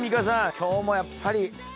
今日もやっぱり。